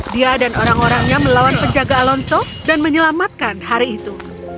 dia dan orang orangnya melawan penjaga alonso dan menyelamatkan hari itu